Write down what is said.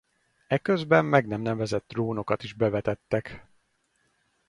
Eközben meg nem nevezett drónokat is bevetettek.